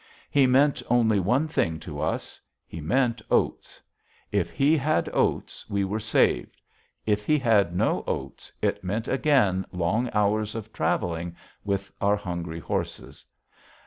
He meant only one thing to us; he meant oats. If he had oats, we were saved. If he had no oats, it meant again long hours of traveling with our hungry horses.